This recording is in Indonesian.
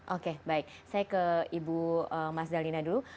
oke baik saya ke ibu mas dalina dulu